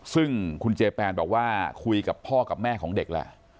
ซึ่งคุณเจแปนบอกว่าคุยกับพ่อกับแม่ของเด็กแหละ